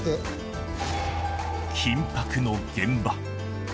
緊迫の現場。